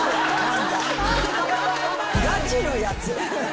ガチのやつ。